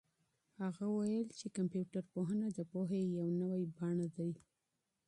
هغه وویل چي کمپيوټر پوهنه د پوهې یو نوی بڼ دی.